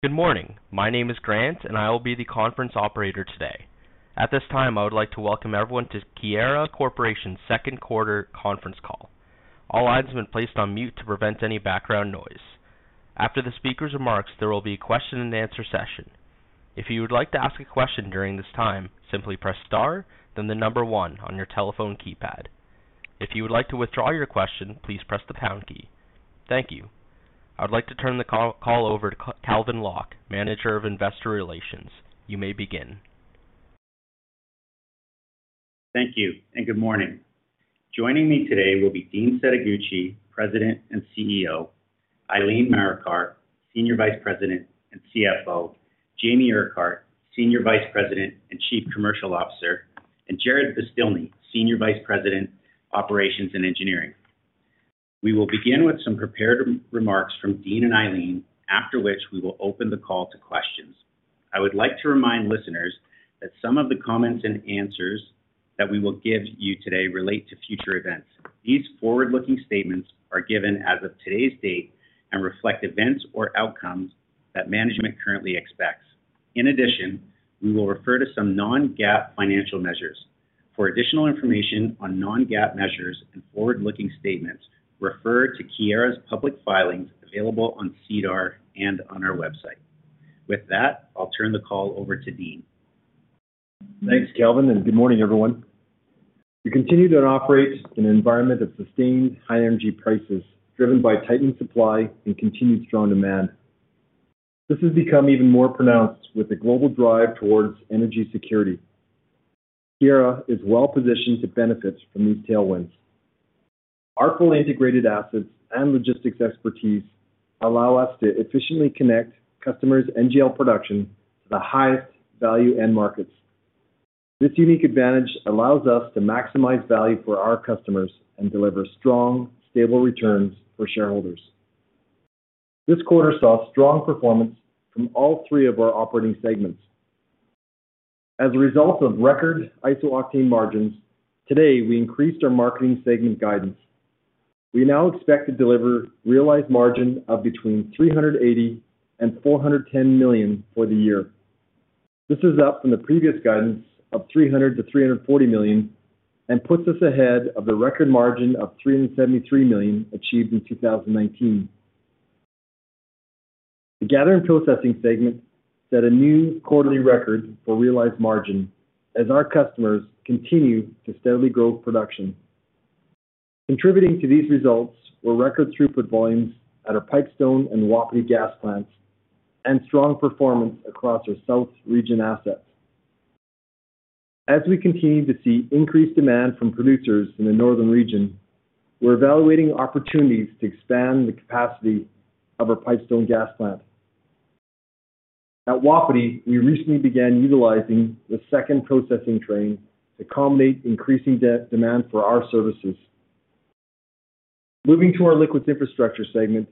Good morning. My name is Grant, and I will be the conference operator today. At this time, I would like to welcome everyone to Keyera Corp.'s Second Quarter Conference Call. All lines have been placed on mute to prevent any background noise. After the speaker's remarks, there will be a question-and-answer session. If you would like to ask a question during this time, simply press star then the number one on your telephone keypad. If you would like to withdraw your question, please press the pound key. Thank you. I would like to turn the call over to Calvin Locke, Manager of Investor Relations. You may begin. Thank you and good morning. Joining me today will be Dean Setoguchi, President and CEO, Eileen Marikar, Senior Vice President and CFO, Jamie Urquhart, Senior Vice President and Chief Commercial Officer, and Jarrod Beztilny, Senior Vice President, Operations and Engineering. We will begin with some prepared remarks from Dean and Eileen, after which we will open the call to questions. I would like to remind listeners that some of the comments and answers that we will give you today relate to future events. These forward-looking statements are given as of today's date and reflect events or outcomes that management currently expects. In addition, we will refer to some non-GAAP financial measures. For additional information on non-GAAP measures and forward-looking statements, refer to Keyera's public filings available on Sedar and on our website. With that, I'll turn the call over to Dean. Thanks, Calvin, and good morning, everyone. We continue to operate in an environment of sustained high energy prices driven by tightened supply and continued strong demand. This has become even more pronounced with the global drive towards energy security. Keyera is well positioned to benefit from these tailwinds. Our full integrated assets and logistics expertise allow us to efficiently connect customers' NGL production to the highest value end markets. This unique advantage allows us to maximize value for our customers and deliver strong, stable returns for shareholders. This quarter saw strong performance from all three of our operating segments. As a result of record iso-octane margins, today, we increased our marketing segment guidance. We now expect to deliver realized margin of between 380 million and 410 million for the year. This is up from the previous guidance of 300 million-340 million and puts us ahead of the record margin of 373 million achieved in 2019. The Gathering and Processing segment set a new quarterly record for realized margin as our customers continue to steadily grow production. Contributing to these results were record throughput volumes at our Pipestone and Wapiti gas plants and strong performance across our south region assets. As we continue to see increased demand from producers in the northern region, we're evaluating opportunities to expand the capacity of our Pipestone gas plant. At Wapiti, we recently began utilizing the second processing train to accommodate increasing demand for our services. Moving to our Liquids Infrastructure segment,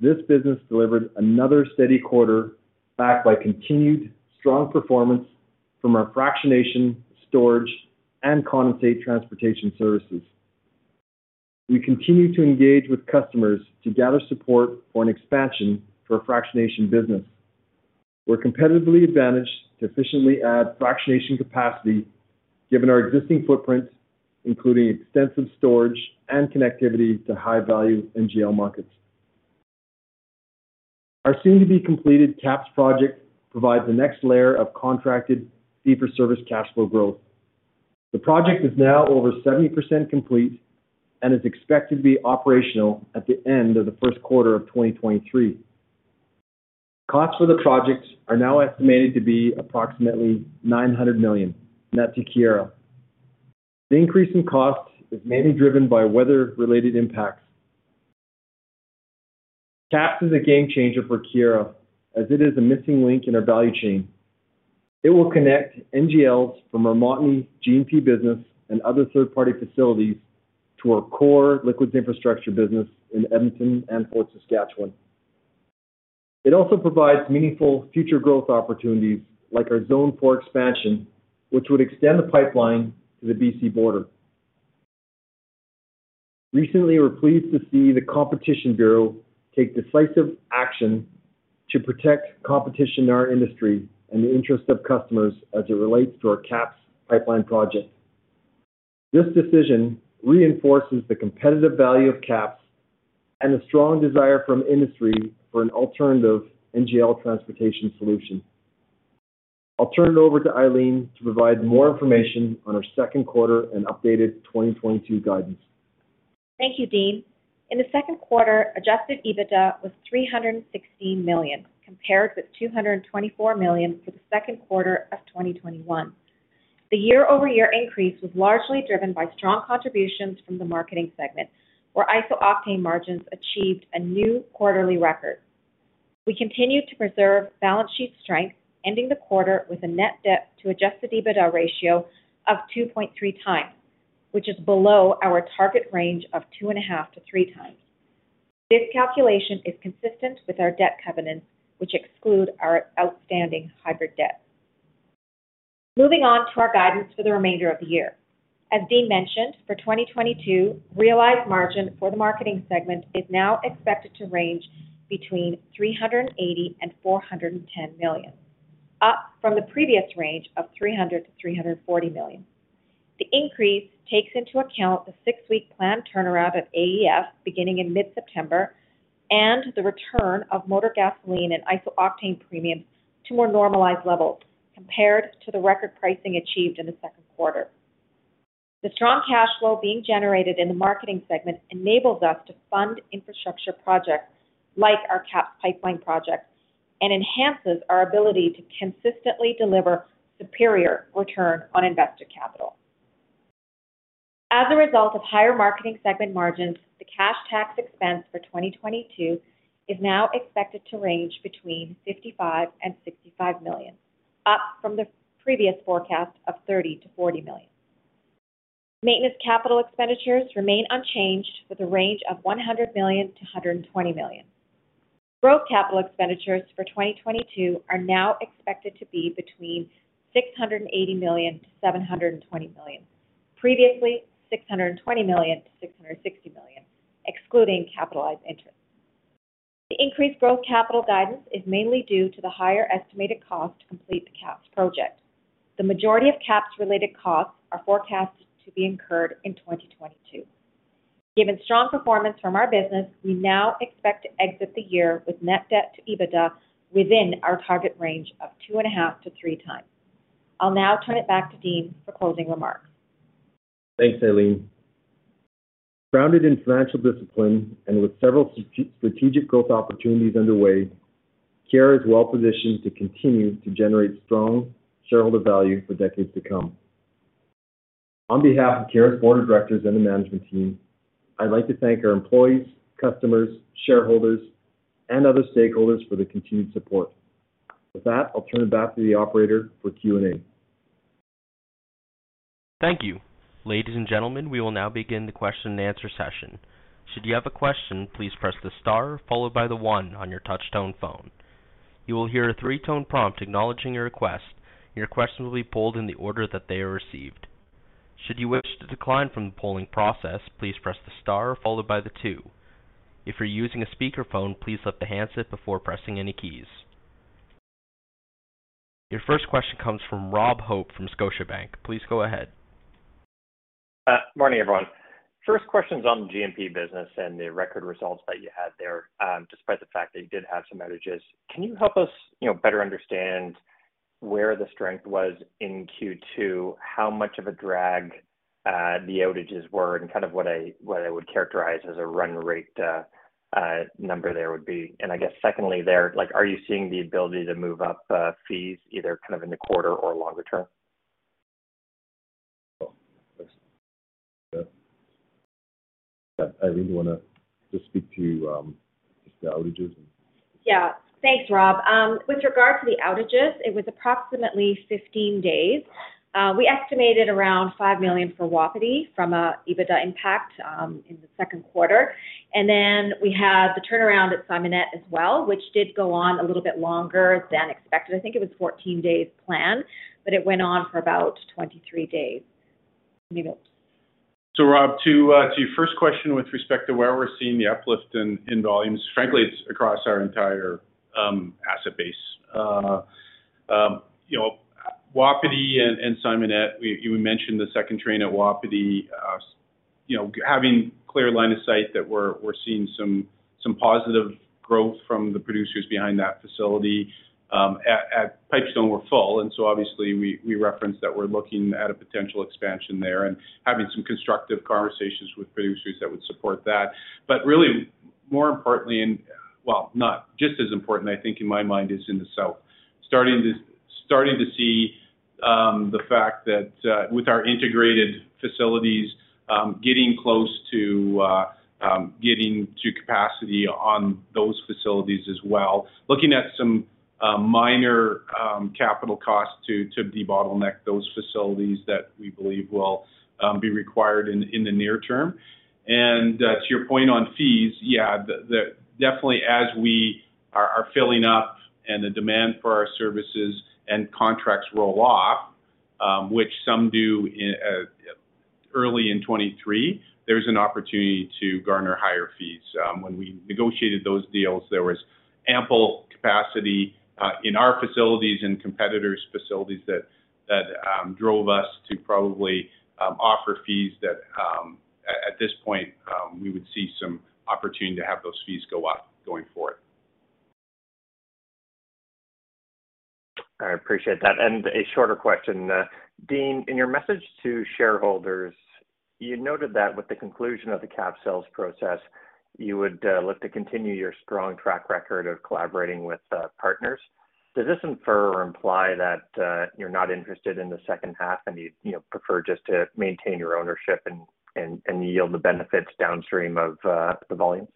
this business delivered another steady quarter backed by continued strong performance from our fractionation, storage, and condensate transportation services. We continue to engage with customers to gather support for an expansion to our fractionation business. We're competitively advantaged to efficiently add fractionation capacity given our existing footprint, including extensive storage and connectivity to high-value NGL markets. Our soon-to-be-completed KAPS project provides the next layer of contracted fee-for-service cash flow growth. The project is now over 70% complete and is expected to be operational at the end of the first quarter of 2023. Costs for the projects are now estimated to be approximately 900 million net to Keyera. The increase in cost is mainly driven by weather-related impacts. KAPS is a game changer for Keyera as it is the missing link in our value chain. It will connect NGLs from our Montney G&P business and other third-party facilities to our core Liquids Infrastructure business in Edmonton and Fort Saskatchewan. It also provides meaningful future growth opportunities like our Zone 4 expansion, which would extend the pipeline to the BC border. Recently, we're pleased to see the Competition Bureau take decisive action to protect competition in our industry and the interest of customers as it relates to our KAPS pipeline project. This decision reinforces the competitive value of KAPS and a strong desire from industry for an alternative NGL transportation solution. I'll turn it over to Eileen to provide more information on our second quarter and updated 2022 guidance. Thank you, Dean. In the second quarter, Adjusted EBITDA was 316 million, compared with 224 million for the second quarter of 2021. The year-over-year increase was largely driven by strong contributions from the Marketing segment, where iso-octane margins achieved a new quarterly record. We continued to preserve balance sheet strength, ending the quarter with a net debt to Adjusted EBITDA ratio of 2.3x, which is below our target range of 2.5-3x. This calculation is consistent with our debt covenants, which exclude our outstanding hybrid debt. Moving on to our guidance for the remainder of the year. As Dean mentioned, for 2022, realized margin for the marketing segment is now expected to range between 380 million and 410 million, up from the previous range of 300-340 million. The increase takes into account the 6-week planned turnaround at AEF beginning in mid-September and the return of motor gasoline and iso-octane premiums to more normalized levels compared to the record pricing achieved in the second quarter. The strong cash flow being generated in the marketing segment enables us to fund infrastructure projects like our KAPS pipeline project and enhances our ability to consistently deliver superior return on invested capital. As a result of higher marketing segment margins, the cash tax expense for 2022 is now expected to range between 55 million and 65 million, up from the previous forecast of 30-40 million. Maintenance capital expenditures remain unchanged with a range of 100 million-120 million. Growth capital expenditures for 2022 are now expected to be between 680 million-720 million, previously 620 million-660 million, excluding capitalized interest. The increased growth capital guidance is mainly due to the higher estimated cost to complete the KAPS project. The majority of KAPS-related costs are forecast to be incurred in 2022. Given strong performance from our business, we now expect to exit the year with net debt to EBITDA within our target range of 2.5-3x. I'll now turn it back to Dean for closing remarks. Thanks, Eileen. Grounded in financial discipline and with several strategic growth opportunities underway, Keyera is well-positioned to continue to generate strong shareholder value for decades to come. On behalf of Keyera's board of directors and the management team, I'd like to thank our employees, customers, shareholders, and other stakeholders for their continued support. With that, I'll turn it back to the operator for Q&A. Thank you. Ladies and gentlemen, we will now begin the question and answer session. Should you have a question, please press the star followed by the one on your touch tone phone. You will hear a three-tone prompt acknowledging your request. Your questions will be pulled in the order that they are received. Should you wish to decline from the polling process, please press the star followed by the two. If you're using a speakerphone, please lift the handset before pressing any keys. Your first question comes from Robert Hope from Scotiabank. Please go ahead. Morning, everyone. First question's on the G&P business and the record results that you had there, despite the fact that you did have some outages. Can you help us, you know, better understand where the strength was in Q2, how much of a drag the outages were and kind of what a, what I would characterize as a run rate number there would be? I guess secondly there, like, are you seeing the ability to move up fees either kind of in the quarter or longer term? Well, thanks. Yeah. Eileen, do you wanna just speak to just the outages and. Yeah. Thanks, Rob. With regard to the outages, it was approximately 15 days. We estimated around 5 million for Wapiti from an EBITDA impact in the second quarter. We had the turnaround at Simonette as well, which did go on a little bit longer than expected. I think it was 14 days planned, but it went on for about 23 days. Rob, to your first question with respect to where we're seeing the uplift in volumes, frankly, it's across our entire asset base. You know, Wapiti and Simonette, you mentioned the second train at Wapiti. You know, having clear line of sight that we're seeing some positive growth from the producers behind that facility, at Pipestone we're full, and so obviously we referenced that we're looking at a potential expansion there and having some constructive conversations with producers that would support that. But really more importantly, well, not just as important, I think in my mind is in the south. Starting to see the fact that with our integrated facilities getting close to getting to capacity on those facilities as well. Looking at some minor capital costs to debottleneck those facilities that we believe will be required in the near term. To your point on fees, yeah, then definitely as we are filling up and the demand for our services and contracts roll off, which some do in early 2023, there's an opportunity to garner higher fees. When we negotiated those deals, there was ample capacity in our facilities and competitors' facilities that drove us to probably offer fees that at this point we would see some opportunity to have those fees go up going forward. I appreciate that. A shorter question. Dean, in your message to shareholders, you noted that with the conclusion of the CAP sales process, you would look to continue your strong track record of collaborating with partners. Does this infer or imply that you're not interested in the second half and you'd, you know, prefer just to maintain your ownership and yield the benefits downstream of the volumes?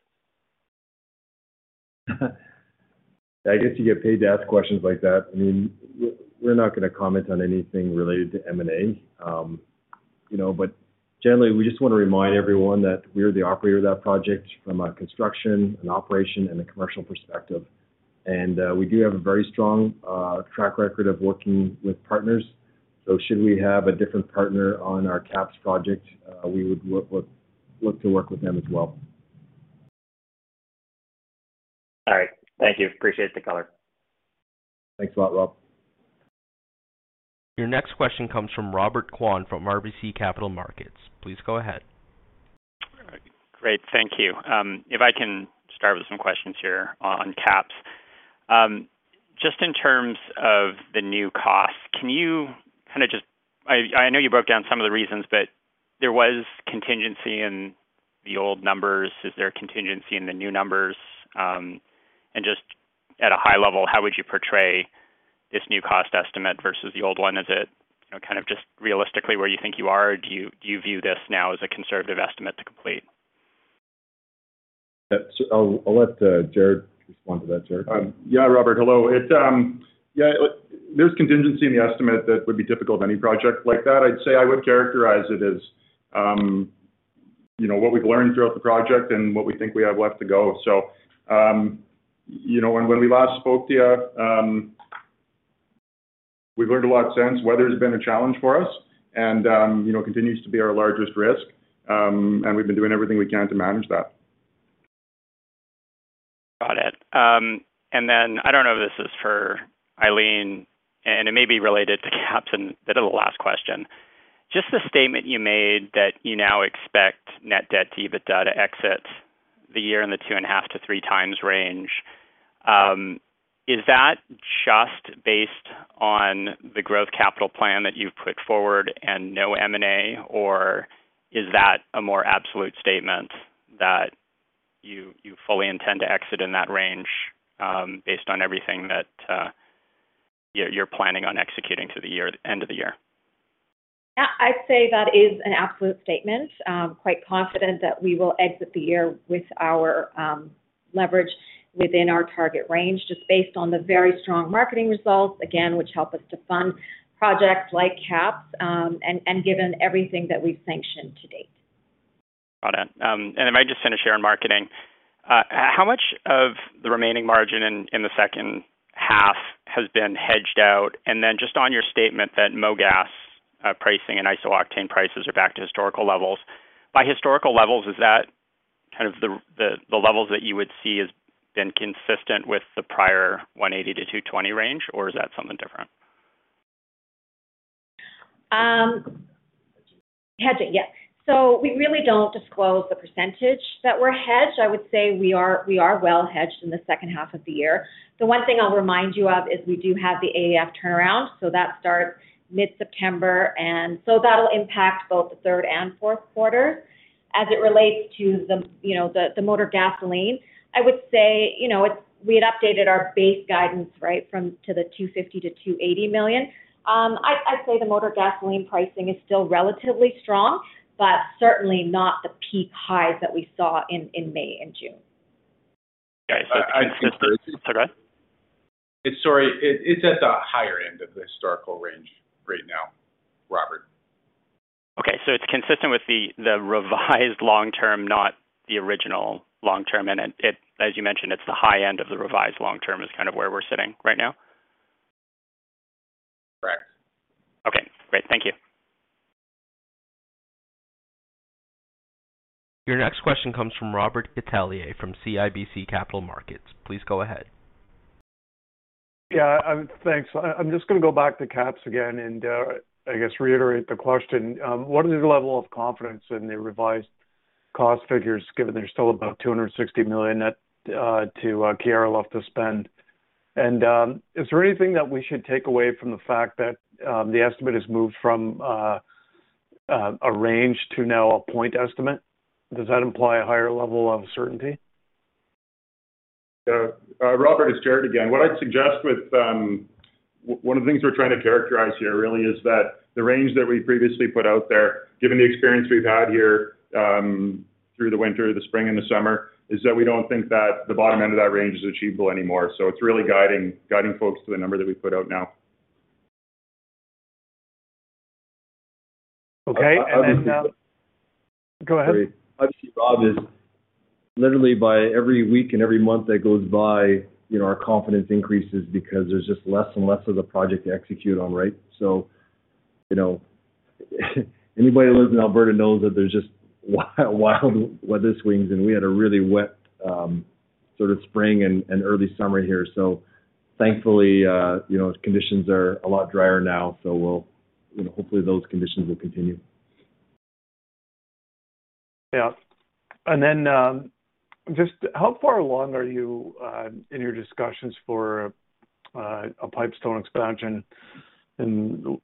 I guess you get paid to ask questions like that. I mean, we're not gonna comment on anything related to M&A. You know, generally, we just wanna remind everyone that we're the operator of that project from a construction, an operation, and a commercial perspective. We do have a very strong track record of working with partners. Should we have a different partner on our KAPS project, we would work with them as well. All right. Thank you. Appreciate the color. Thanks a lot, Rob. Your next question comes from Robert Kwan from RBC Capital Markets. Please go ahead. All right. Great. Thank you. If I can start with some questions here on KAPS. Just in terms of the new cost, I know you broke down some of the reasons, but there was contingency in the old numbers. Is there a contingency in the new numbers? And just at a high level, how would you portray this new cost estimate versus the old one? Is it, you know, kind of just realistically where you think you are, or do you view this now as a conservative estimate to complete? Yeah. I'll let Jarrod respond to that. Jarrod? Hello, Robert. There's contingency in the estimate that would be difficult for any project like that. I'd say I would characterize it as, you know, what we've learned throughout the project and what we think we have left to go. You know, when we last spoke to you, we've learned a lot since. Weather's been a challenge for us and, you know, continues to be our largest risk. We've been doing everything we can to manage that. Got it. I don't know if this is for Eileen, and it may be related to capital with the last question. Just the statement you made that you now expect net debt to EBITDA to exit the year in the 2.5-3 times range. Is that just based on the growth capital plan that you've put forward and no M&A, or is that a more absolute statement that you fully intend to exit in that range, based on everything that you're planning on executing to the end of the year? Yeah, I'd say that is an absolute statement. Quite confident that we will exit the year with our leverage within our target range, just based on the very strong Marketing results, again, which help us to fund projects like KAPS, and given everything that we've sanctioned to date. Got it. I might just finish here on marketing. How much of the remaining margin in the second half has been hedged out? Then just on your statement that Mogas pricing and iso-octane prices are back to historical levels. By historical levels, is that kind of the levels that you would see as being consistent with the prior 180-220 range, or is that something different? Hedging. Yeah. We really don't disclose the percentage that we're hedged. I would say we are well hedged in the second half of the year. The one thing I'll remind you of is we do have the AEF turnaround, so that starts mid-September. That'll impact both the third and fourth quarter. As it relates to the, you know, motor gasoline, I would say, you know, it's we had updated our base guidance, right, to 250 million-280 million. I'd say the motor gasoline pricing is still relatively strong, but certainly not the peak highs that we saw in May and June. Okay. I'd- Sorry. Sorry. It's at the higher end of the historical range right now, Robert. Okay. It's consistent with the revised long term, not the original long term. As you mentioned, it's the high end of the revised long term is kind of where we're sitting right now. Correct. Okay, great. Thank you. Your next question comes from Robert Catellier from CIBC Capital Markets. Please go ahead. Yeah, thanks. I'm just gonna go back to KAPS again and, I guess reiterate the question. What is the level of confidence in the revised cost figures given there's still about 260 million net to Keyera left to spend? Is there anything that we should take away from the fact that the estimate has moved from a range to now a point estimate? Does that imply a higher level of certainty? Yeah. Robert, it's Jarrod again. What I'd suggest with one of the things we're trying to characterize here really is that the range that we previously put out there, given the experience we've had here through the winter, the spring and the summer, is that we don't think that the bottom end of that range is achievable anymore. It's really guiding folks to the number that we put out now. Okay. Obviously- Go ahead. Great. Obviously, Rob, it's literally with every week and every month that goes by, you know, our confidence increases because there's just less and less of the project to execute on. Right? You know, anybody who lives in Alberta knows that there's just wild weather swings, and we had a really wet sort of spring and early summer here. Thankfully, you know, conditions are a lot drier now, so we'll, you know, hopefully those conditions will continue. Just how far along are you in your discussions for a Pipestone expansion? You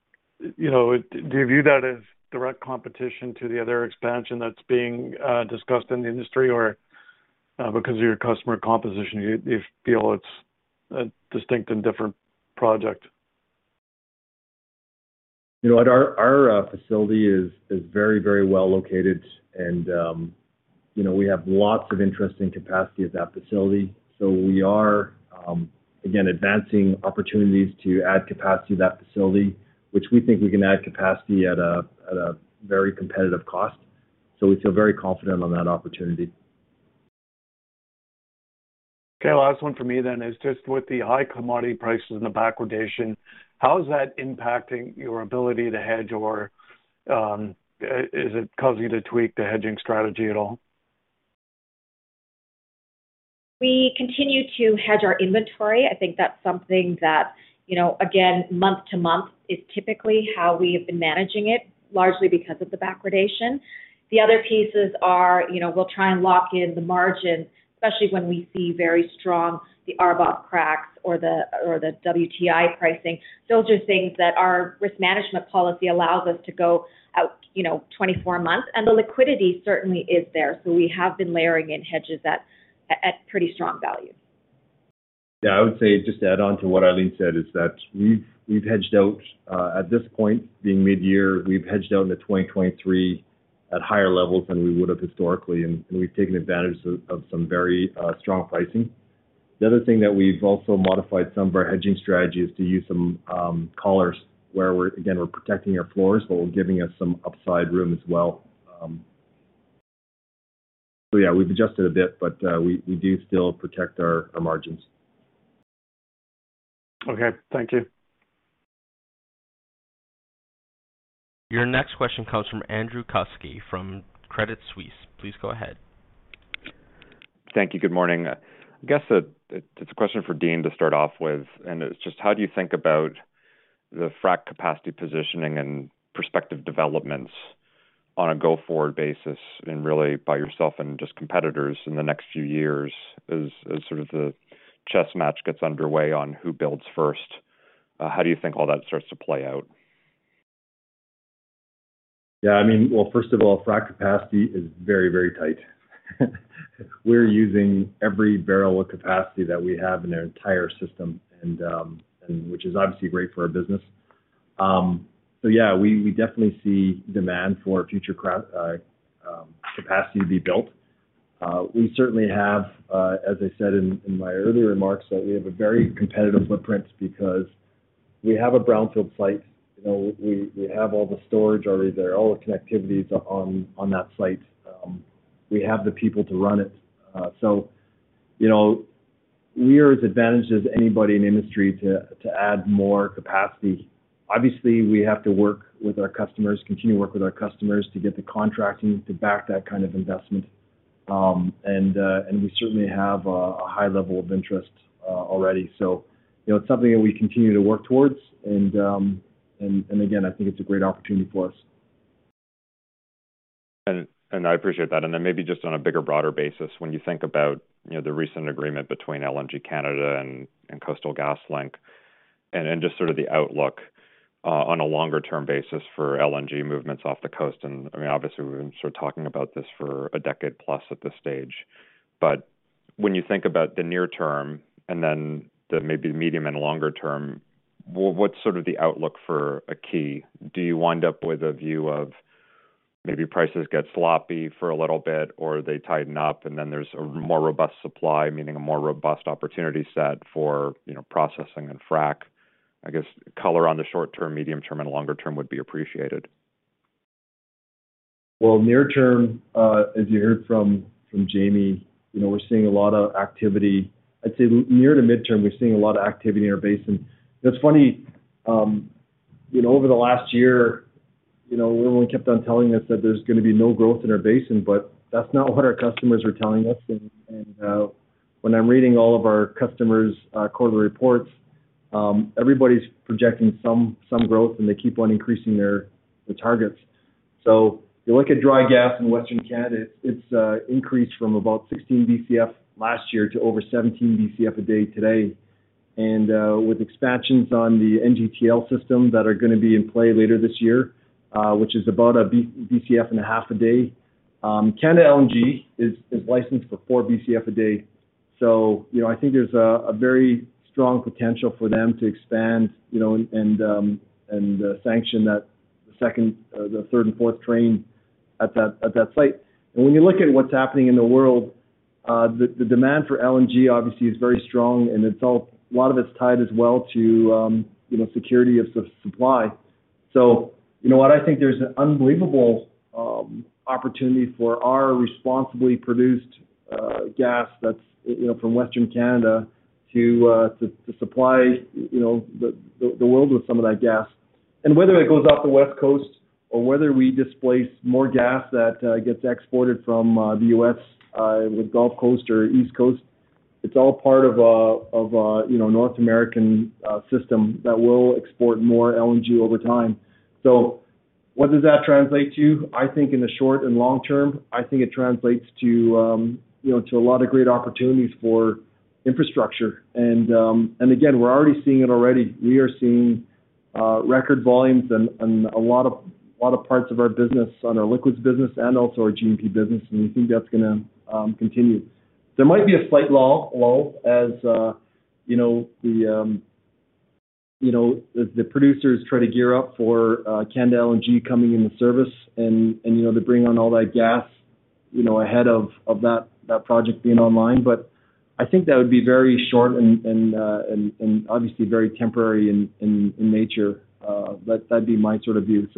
know, do you view that as direct competition to the other expansion that's being discussed in the industry? Because of your customer composition, you feel it's a distinct and different project? You know what, our facility is very well located and You know, we have lots of interest in capacity at that facility. We are, again, advancing opportunities to add capacity to that facility, which we think we can add capacity at a very competitive cost. We feel very confident on that opportunity. Okay. Last one for me then is just with the high commodity prices and the backwardation, how is that impacting your ability to hedge or is it causing you to tweak the hedging strategy at all? We continue to hedge our inventory. I think that's something that, you know, again, month to month is typically how we have been managing it, largely because of the backwardation. The other pieces are, you know, we'll try and lock in the margin, especially when we see very strong, the RBOB Cracks or the, or the WTI pricing. Those are things that our risk management policy allows us to go out, you know, 24 months. The liquidity certainly is there. We have been layering in hedges at pretty strong value. Yeah, I would say, just to add on to what Eileen said is that we've hedged out at this point, being midyear, we've hedged out into 2023 at higher levels than we would have historically, and we've taken advantage of some very strong pricing. The other thing that we've also modified some of our hedging strategy is to use some collars where we're again protecting our floors, but giving us some upside room as well. Yeah, we've adjusted a bit, but we do still protect our margins. Okay. Thank you. Your next question comes from Andrew Kuske from Credit Suisse. Please go ahead. Thank you. Good morning. I guess it's a question for Dean to start off with, and it's just how do you think about the frac capacity positioning and prospective developments on a go-forward basis and really by yourself and just competitors in the next few years as sort of the chess match gets underway on who builds first? How do you think all that starts to play out? Yeah, I mean, well, first of all, frac capacity is very, very tight. We're using every barrel of capacity that we have in our entire system and which is obviously great for our business. So yeah, we definitely see demand for future frac capacity to be built. We certainly have, as I said in my earlier remarks, a very competitive footprint because we have a brownfield site. You know, we have all the storage already there, all the connectivities on that site. We have the people to run it. So, you know, we are as advantaged as anybody in the industry to add more capacity. Obviously, we have to work with our customers, continue to work with our customers to get the contracting to back that kind of investment. We certainly have a high level of interest already. You know, it's something that we continue to work towards. Again, I think it's a great opportunity for us. I appreciate that. Maybe just on a bigger, broader basis, when you think about, you know, the recent agreement between LNG Canada and Coastal GasLink and just sort of the outlook on a longer-term basis for LNG movements off the coast, I mean, obviously, we've been sort of talking about this for a decade plus at this stage. When you think about the near term and then the maybe medium and longer term, what's sort of the outlook for Keyera? Do you wind up with a view of maybe prices get sloppy for a little bit or they tighten up, and then there's a more robust supply, meaning a more robust opportunity set for, you know, processing and frac? I guess color on the short term, medium term, and longer term would be appreciated. Well, near term, as you heard from Jamie, you know, we're seeing a lot of activity. I'd say near to midterm, we're seeing a lot of activity in our basin. It's funny, you know, over the last year, you know, everyone kept on telling us that there's gonna be no growth in our basin, but that's not what our customers are telling us. When I'm reading all of our customers' quarterly reports, everybody's projecting some growth, and they keep on increasing their targets. You look at dry gas in Western Canada, it's increased from about 16 Bcf last year to over 17 Bcf a day today. With expansions on the NGTL system that are gonna be in play later this year, which is about 1.5 Bcf a day, LNG Canada is licensed for 4 Bcf a day. You know, I think there's a very strong potential for them to expand, you know, and sanction the second, the third and fourth train at that site. When you look at what's happening in the world, the demand for LNG obviously is very strong, and a lot of it's tied as well to, you know, security of supply. You know what? I think there's an unbelievable opportunity for our responsibly produced gas that's, you know, from Western Canada to supply, you know, the world with some of that gas. Whether it goes off the West Coast or whether we displace more gas that gets exported from the U.S. with Gulf Coast or East Coast, it's all part of you know North American system that will export more LNG over time. What does that translate to? I think in the short and long term it translates to you know to a lot of great opportunities for infrastructure. Again, we're already seeing it. We are seeing record volumes and a lot of parts of our business on our liquids business and also our G&P business, and we think that's gonna continue. There might be a slight lull as you know the producers try to gear up for LNG Canada coming into service and you know to bring on all that gas you know ahead of that project being online. I think that would be very short and obviously very temporary in nature. That'd be my sort of view.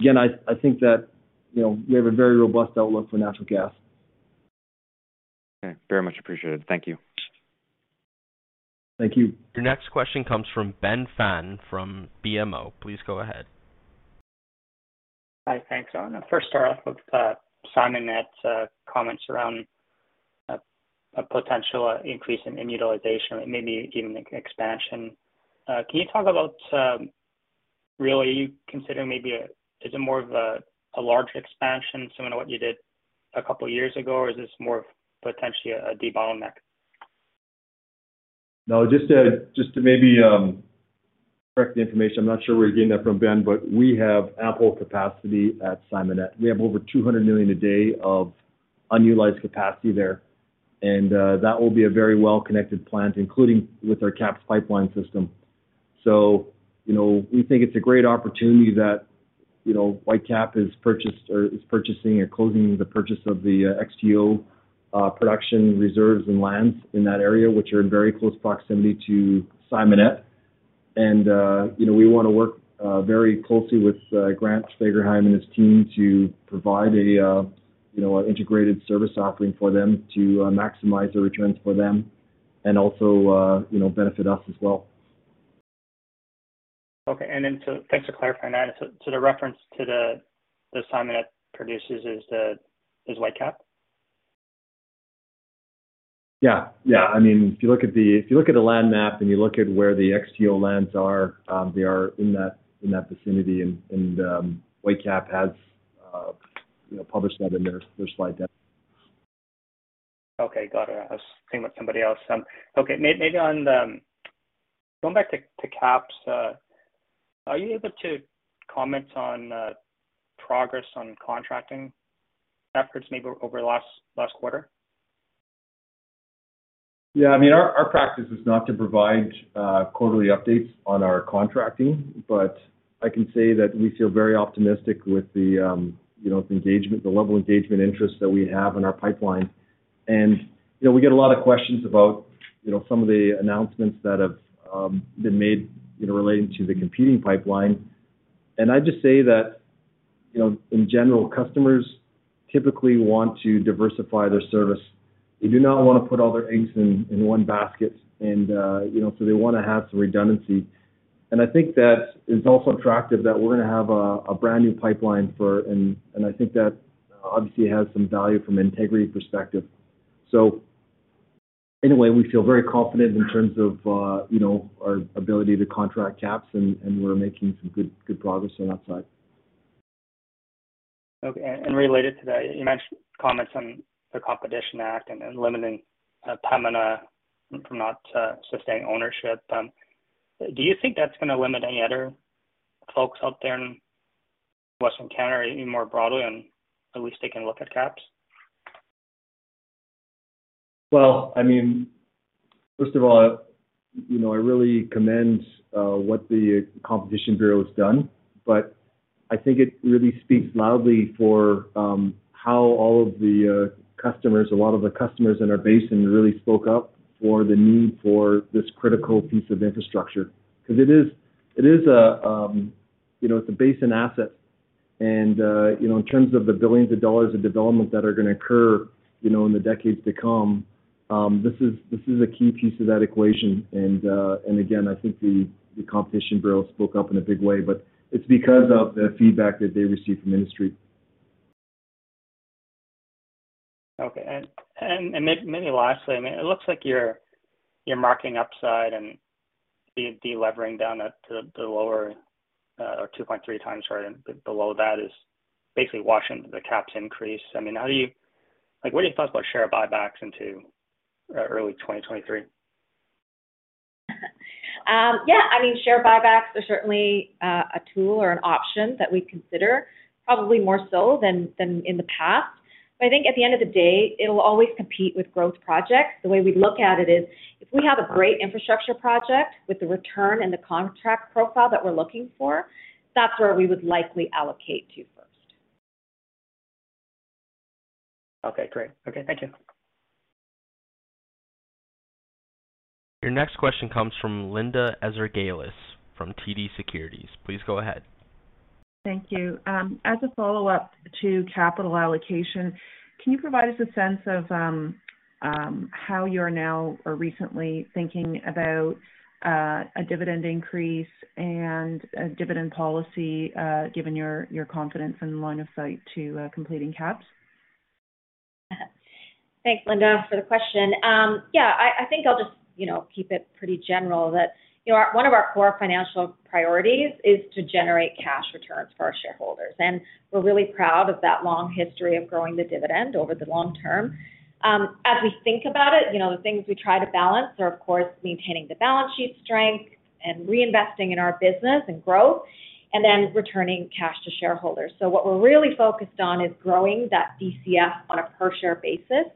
Again I think that you know we have a very robust outlook for natural gas. Okay. Very much appreciated. Thank you. Thank you. Your next question comes from Benjamin Pham from BMO. Please go ahead. Hi. Thanks. I wanna first start off with Simonette's comments around a potential increase in utilization or maybe even an expansion. Can you talk about is it more of a large expansion similar to what you did a couple years ago? Or is this more potentially a de-bottleneck? No, just to maybe correct the information, I'm not sure where you're getting that from, Ben, but we have ample capacity at Simonette. We have over 200 million a day of unutilized capacity there. That will be a very well-connected plant, including with our KAPS pipeline system. You know, we think it's a great opportunity that, you know, Whitecap has purchased or is purchasing or closing the purchase of the XTO production reserves and lands in that area, which are in very close proximity to Simonette. You know, we wanna work very closely with Grant Fagerheim and his team to provide a you know, integrated service offering for them to maximize the returns for them and also, you know, benefit us as well. Okay. Thanks for clarifying that. The reference to the Simonette production is Whitecap? Yeah. I mean, if you look at the land map and you look at where the XTO lands are, they are in that vicinity and Whitecap has, you know, published that in their slide deck. Okay. Got it. I was thinking about somebody else. Okay, maybe on going back to KAPS, are you able to comment on progress on contracting efforts maybe over the last quarter? I mean our practice is not to provide quarterly updates on our contracting, but I can say that we feel very optimistic with you know, the engagement, the level of engagement interest that we have in our pipeline. You know, we get a lot of questions about you know, some of the announcements that have been made you know, relating to the competing pipeline. I just say that you know, in general, customers typically want to diversify their service. They do not wanna put all their eggs in one basket you know, so they wanna have some redundancy. I think that it's also attractive that we're gonna have a brand new pipeline and I think that obviously has some value from integrity perspective. Anyway, we feel very confident in terms of, you know, our ability to contract KAPS and we're making some good progress on that side. Okay. Related to that, you mentioned comments on the Competition Act and limiting Pembina from not sustaining ownership. Do you think that's gonna limit any other folks out there in Western Canada any more broadly, and at least they can look at KAPS? Well, I mean, first of all, you know, I really commend what the Competition Bureau has done, but I think it really speaks loudly for how all of the customers, a lot of the customers in our basin really spoke up for the need for this critical piece of infrastructure. 'Cause it is a you know, it's a basin asset and you know, in terms of the billions of dollars of development that are gonna occur, you know, in the decades to come, this is a key piece of that equation. Again, I think the Competition Bureau spoke up in a big way, but it's because of the feedback that they received from industry. Maybe lastly, I mean, it looks like you're marking upside and delevering down to the lower or 2.3x or below that is basically watching the KAPS increase. I mean, how do you like, what are your thoughts about share buybacks into early 2023? Yeah, I mean, share buybacks are certainly a tool or an option that we consider probably more so than in the past. I think at the end of the day, it'll always compete with growth projects. The way we look at it is, if we have a great infrastructure project with the return and the contract profile that we're looking for, that's where we would likely allocate to first. Okay, great. Okay. Thank you. Your next question comes from Linda Ezergailis from TD Securities. Please go ahead. Thank you. As a follow-up to capital allocation, can you provide us a sense of how you're now or recently thinking about a dividend increase and a dividend policy, given your confidence and line of sight to completing KAPS? Thanks, Linda, for the question. Yeah, I think I'll just, you know, keep it pretty general that, you know, one of our core financial priorities is to generate cash returns for our shareholders, and we're really proud of that long history of growing the dividend over the long term. As we think about it, you know, the things we try to balance are, of course, maintaining the balance sheet strength and reinvesting in our business and growth, and then returning cash to shareholders. What we're really focused on is growing that DCF on a per share basis.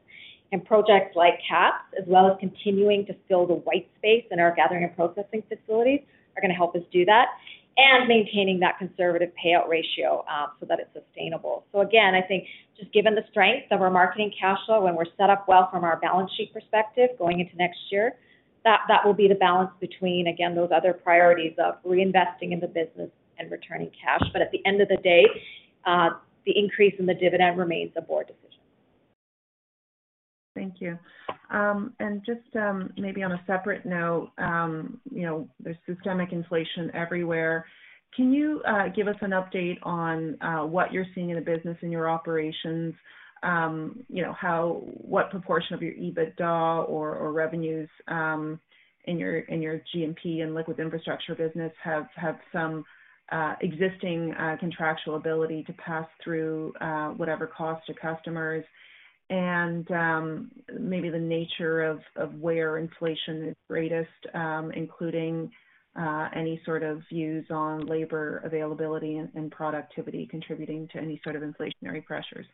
Projects like KAPS, as well as continuing to fill the white space in our gathering and processing facilities are gonna help us do that, and maintaining that conservative payout ratio, so that it's sustainable. Again, I think just given the strength of our marketing cash flow when we're set up well from our balance sheet perspective going into next year, that will be the balance between, again, those other priorities of reinvesting in the business and returning cash. At the end of the day, the increase in the dividend remains a board decision. Thank you. Just maybe on a separate note, you know, there's systemic inflation everywhere. Can you give us an update on what you're seeing in the business in your operations? You know, what proportion of your EBITDA or revenues in your G&P and Liquids Infrastructure business have some existing contractual ability to pass through whatever cost to customers? Maybe the nature of where inflation is greatest, including any sort of views on labor availability and productivity contributing to any sort of inflationary pressures.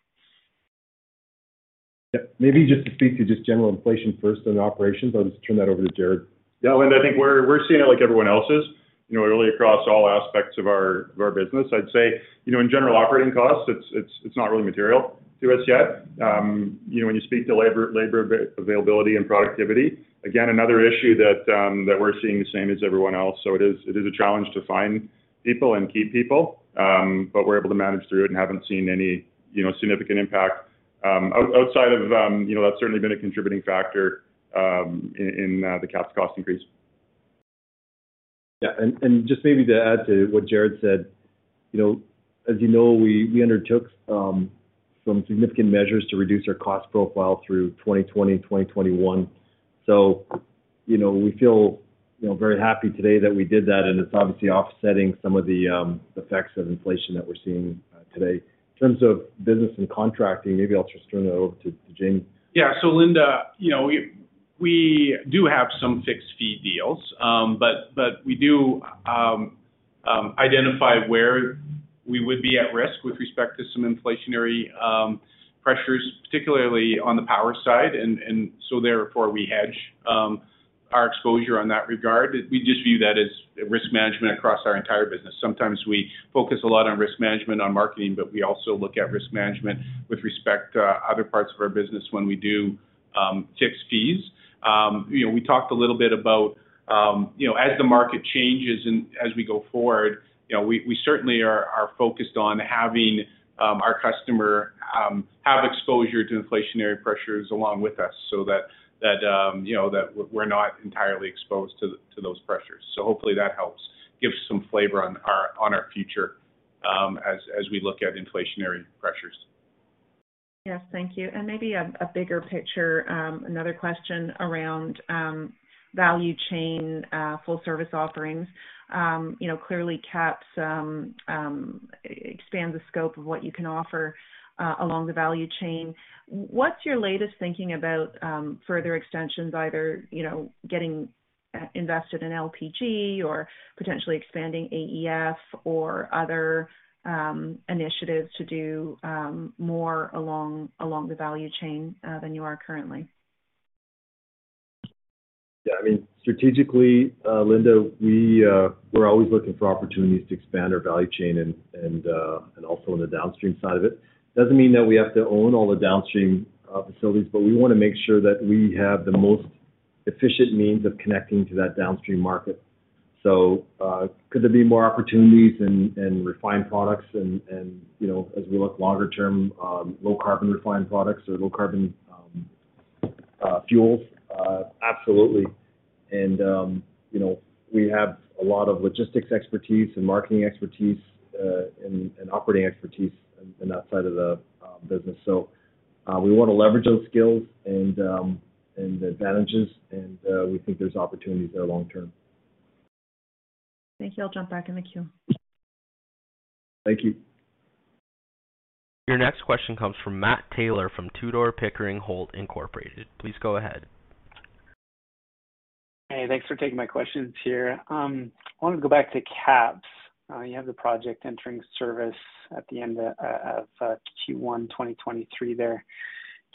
Yeah. Maybe just to speak to just general inflation first in operations, I'll just turn that over to Jarrod. Yeah. I think we're seeing it like everyone else is, you know, really across all aspects of our business. I'd say, you know, in general operating costs, it's not really material to us yet. You know, when you speak to labor availability and productivity, again, another issue that we're seeing the same as everyone else. It is a challenge to find people and keep people, but we're able to manage through it and haven't seen any, you know, significant impact outside of, you know, that's certainly been a contributing factor in the KAPS cost increase. Yeah, just maybe to add to what Jared said, you know, as you know, we undertook some significant measures to reduce our cost profile through 2020, 2021. You know, we feel, you know, very happy today that we did that, and it's obviously offsetting some of the effects of inflation that we're seeing today. In terms of business and contracting, maybe I'll just turn it over to Jamie. Yeah. Linda, you know, we do have some fixed fee deals. We do identify where we would be at risk with respect to some inflationary pressures, particularly on the power side. We hedge our exposure on that regard. We just view that as risk management across our entire business. Sometimes we focus a lot on risk management on marketing, but we also look at risk management with respect to other parts of our business when we do fixed fees. You know, we talked a little bit about, you know, as the market changes and as we go forward, you know, we certainly are focused on having our customer have exposure to inflationary pressures along with us so that you know that we're not entirely exposed to those pressures. Hopefully that helps give some flavor on our future as we look at inflationary pressures. Yes, thank you. Maybe a bigger picture, another question around value chain, full service offerings. You know, clearly KAPS expands the scope of what you can offer along the value chain. What's your latest thinking about further extensions, either you know getting invested in LPG or potentially expanding AEF or other initiatives to do more along the value chain than you are currently? Yeah, I mean, strategically, Linda, we're always looking for opportunities to expand our value chain and also on the downstream side of it. It doesn't mean that we have to own all the downstream facilities, but we wanna make sure that we have the most efficient means of connecting to that downstream market. Could there be more opportunities in refined products and, you know, as we look longer term, low carbon refined products or low carbon fuels? Absolutely. You know, we have a lot of logistics expertise and marketing expertise and operating expertise in that side of the business. We wanna leverage those skills and advantages and we think there's opportunities there long term. Thank you. I'll jump back in the queue. Thank you. Your next question comes from Matt Taylor from Tudor, Pickering, Holt & Co. Please go ahead. Hey, thanks for taking my questions here. I wanted to go back to KAPS. You have the project entering service at the end of Q1 2023 there.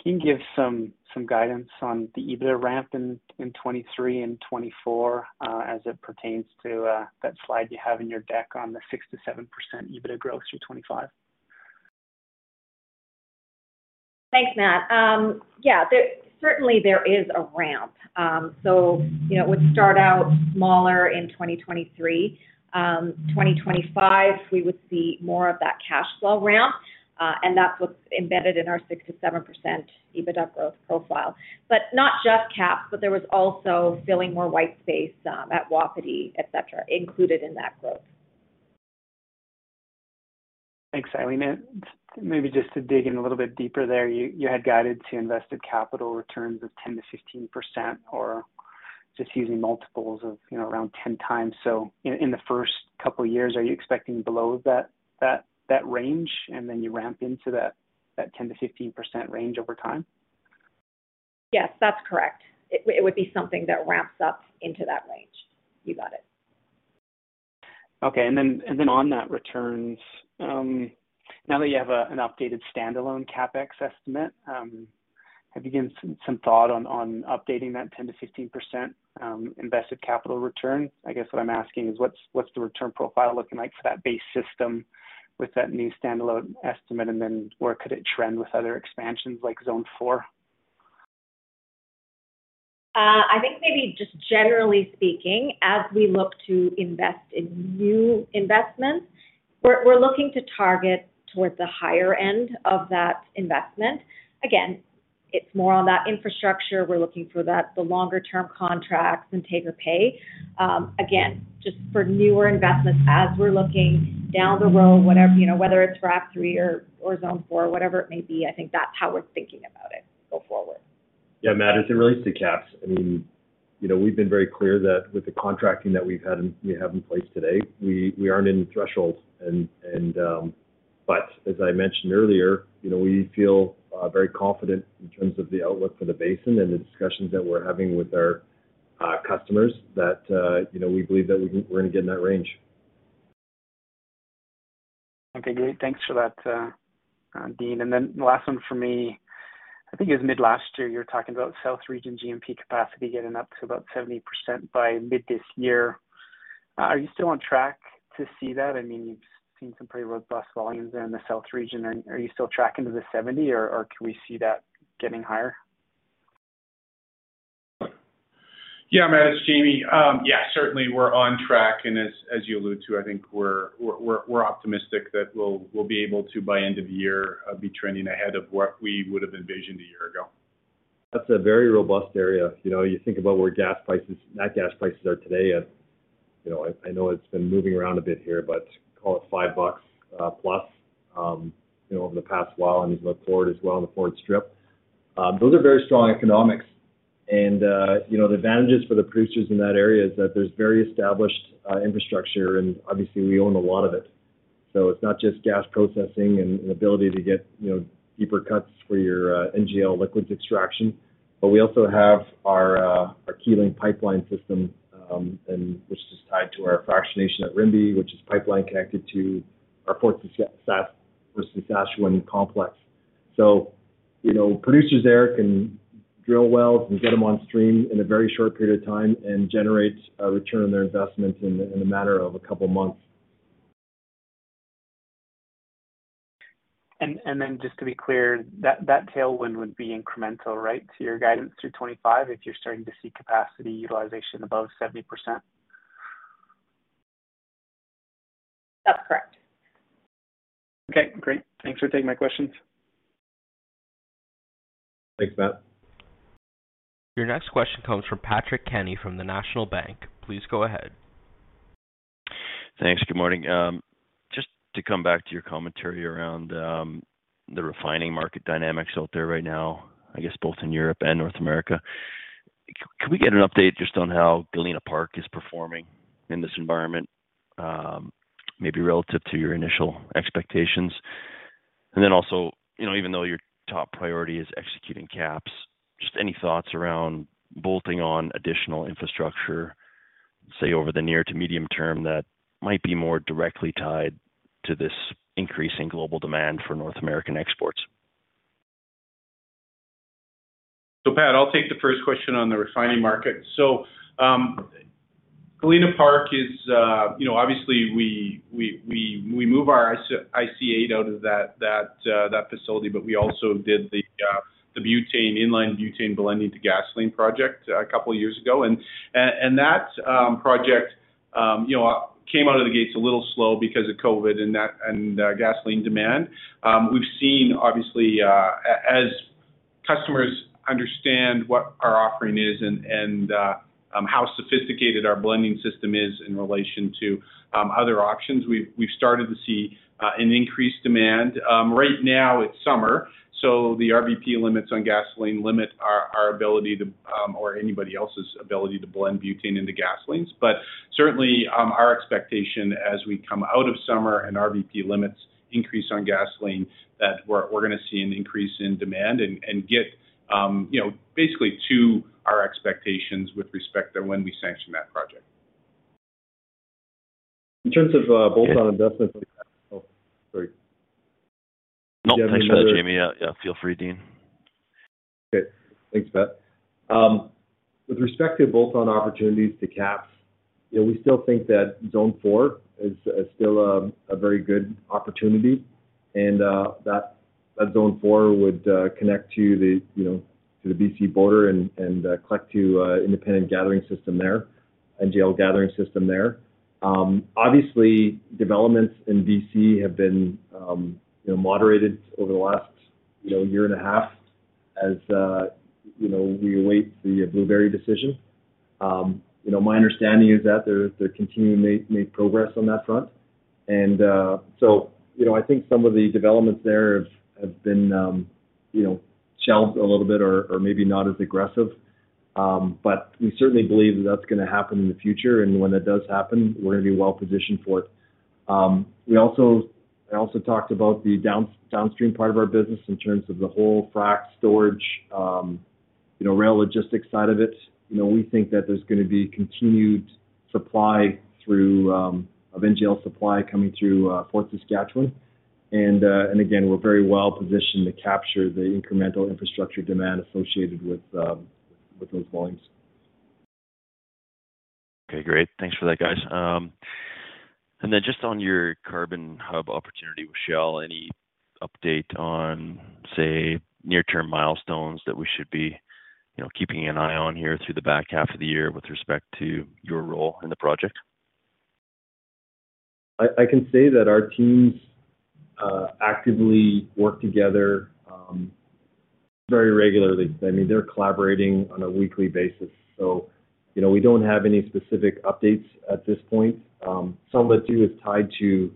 Can you give some guidance on the EBITDA ramp in 2023 and 2024, as it pertains to that slide you have in your deck on the 6%-7% EBITDA growth through 2025? Thanks, Matt. Yeah, there certainly is a ramp. So, you know, it would start out smaller in 2023. In 2025, we would see more of that cash flow ramp, and that's what's embedded in our 6%-7% EBITDA growth profile. Not just KAPS, but there was also filling more white space at Wapiti, et cetera, included in that growth. Thanks, Eileen. Maybe just to dig in a little bit deeper there, you had guided to invested capital returns of 10%-15% or just using multiples of, you know, around 10x. In the first couple of years, are you expecting below that range and then you ramp into that 10%-15% range over time? Yes, that's correct. It would be something that ramps up into that range. You got it. Okay. On that returns, now that you have an updated standalone CapEx estimate, have you given some thought on updating that 10%-15% invested capital return? I guess what I'm asking is what's the return profile looking like for that base system with that new standalone estimate? Where could it trend with other expansions like Zone 4? I think maybe just generally speaking, as we look to invest in new investments, we're looking to target towards the higher end of that investment. Again, it's more on that infrastructure. We're looking for that, the longer term contracts and take or pay. Again, just for newer investments as we're looking down the road, whatever, you know, whether it's Frac III or Zone 4, whatever it may be, I think that's how we're thinking about it go forward. Yeah. Matt, as it relates to KAPS, I mean, you know, we've been very clear that with the contracting that we have in place today, we aren't in threshold. But as I mentioned earlier, you know, we feel very confident in terms of the outlook for the basin and the discussions that we're having with our customers that, you know, we believe that we're gonna get in that range. Okay, great. Thanks for that, Dean. Last one for me. I think it was mid last year, you were talking about South Region G&P capacity getting up to about 70% by mid this year. Are you still on track to see that? I mean, you've seen some pretty robust volumes there in the South Region. Are you still tracking to the 70, or can we see that getting higher? Yeah, Matt, it's Jamie. Yeah, certainly we're on track, and as you allude to, I think we're optimistic that we'll be able to, by end of year, be trending ahead of what we would have envisioned a year ago. That's a very robust area. You know, you think about where gas prices, net gas prices are today at. You know, I know it's been moving around a bit here, but call it 5 bucks plus, you know, over the past while, and you look forward as well on the forward strip. Those are very strong economics. You know, the advantages for the producers in that area is that there's very established infrastructure, and obviously we own a lot of it. It's not just gas processing and ability to get, you know, deeper cuts for your NGL liquids extraction. We also have our Keylink pipeline system, and which is tied to our fractionation at Rimbey, which is pipeline connected to our Fort Saskatchewan complex. Producers there can drill wells and get them on stream in a very short period of time and generate a return on their investments in a matter of a couple of months. Just to be clear, that tailwind would be incremental, right? To your guidance through 2025 if you're starting to see capacity utilization above 70%. That's correct. Okay, great. Thanks for taking my questions. Thanks, Matt. Your next question comes from Patrick Kenny from the National Bank. Please go ahead. Thanks. Good morning. Just to come back to your commentary around the refining market dynamics out there right now, I guess both in Europe and North America. Could we get an update just on how Galena Park is performing in this environment, maybe relative to your initial expectations? Then also, you know, even though your top priority is executing KAPS, just any thoughts around bolting on additional infrastructure, say, over the near to medium term, that might be more directly tied to this increase in global demand for North American exports? Pat, I'll take the first question on the refining market. Galena Park is, you know, obviously we move our iso-octane out of that facility, but we also did the butane, in-line butane blending to gasoline project a couple of years ago. That project, you know, came out of the gates a little slow because of COVID and gasoline demand. We've seen obviously, as customers understand what our offering is and how sophisticated our blending system is in relation to other options, we've started to see an increased demand. Right now it's summer, so the RVP limits on gasoline limit our ability to, or anybody else's ability to blend butane into gasolines. Certainly, our expectation as we come out of summer and RVP limits increase on gasoline, that we're gonna see an increase in demand and get you know basically to our expectations with respect to when we sanction that project. In terms of bolt-on investments. Oh, sorry. No, thanks for that, Jamie. Yeah, feel free, Dean. Okay. Thanks, Pat. With respect to bolt-on opportunities to KAPS, you know, we still think that Zone 4 is still a very good opportunity. That Zone 4 would connect to the B.C. border and connect to the independent NGL gathering system there. Obviously, developments in B.C. have been moderated over the last year and a half as we await the Blueberry decision. My understanding is that they're continuing to make progress on that front. I think some of the developments there have been shelved a little bit or maybe not as aggressive. We certainly believe that that's gonna happen in the future. When that does happen, we're gonna be well-positioned for it. I also talked about the downstream part of our business in terms of the whole frac storage, you know, rail logistics side of it. You know, we think that there's gonna be continued supply throughput of NGL supply coming through Fort Saskatchewan. Again, we're very well positioned to capture the incremental infrastructure demand associated with those volumes. Okay, great. Thanks for that, guys. Just on your carbon hub opportunity with Shell, any update on, say, near-term milestones that we should be, you know, keeping an eye on here through the back half of the year with respect to your role in the project? I can say that our teams actively work together very regularly. I mean, they're collaborating on a weekly basis. You know, we don't have any specific updates at this point. Some of it, too, is tied to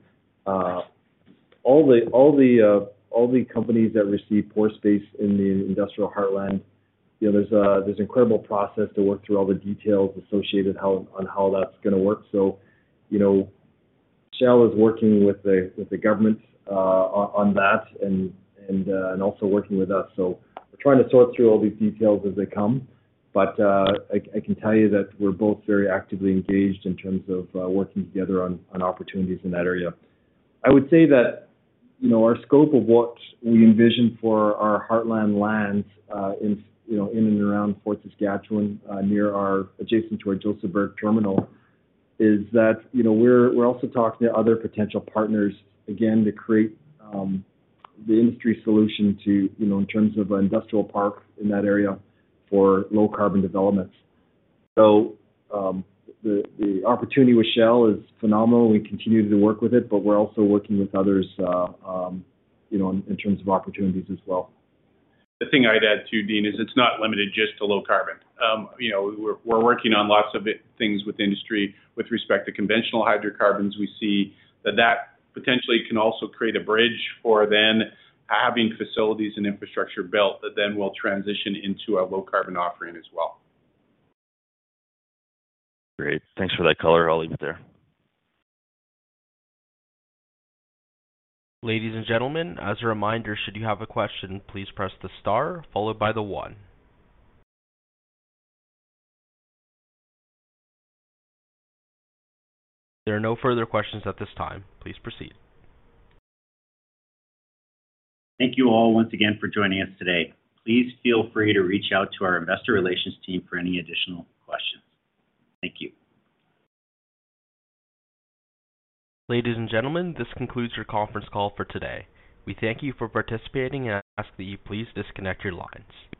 all the companies that receive park space in the Industrial Heartland. You know, there's an incredible process to work through all the details associated with how that's gonna work. Shell is working with the government on that and also working with us, so we're trying to sort through all these details as they come. I can tell you that we're both very actively engaged in terms of working together on opportunities in that area. I would say that, you know, our scope of what we envision for our Heartland lands, you know, in and around Fort Saskatchewan, near and adjacent to our Josephburg terminal is that, you know, we're also talking to other potential partners, again, to create the industry solution to, you know, in terms of industrial park in that area for low-carbon development. The opportunity with Shell is phenomenal. We continue to work with it, but we're also working with others, you know, in terms of opportunities as well. The thing I'd add, too, Dean, is it's not limited just to low carbon. You know, we're working on lots of things with industry with respect to conventional hydrocarbons. We see that potentially can also create a bridge for then having facilities and infrastructure built that then will transition into a low-carbon offering as well. Great. Thanks for that color. I'll leave it there. Ladies and gentlemen, as a reminder, should you have a question, please press the star followed by the one. There are no further questions at this time. Please proceed. Thank you all once again for joining us today. Please feel free to reach out to our Investor Relations team for any additional questions. Thank you. Ladies and gentlemen, this concludes your conference call for today. We thank you for participating and ask that you please disconnect your lines.